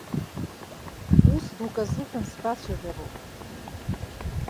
Ус дук азыҳәан сбацәажәароуп.